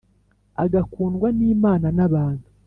agakundwa n’Imana n’abantu: